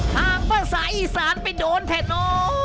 หากประสาอิสานไปโดนแทนโอ